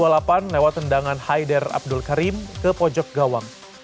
lewat tendangan haider abdul karim ke pojok gawang